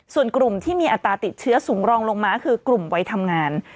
ส่วนกลุ่มที่มีอัตราติดเชื้อสูงรองลงมาคือกลุ่มวัยทำงาน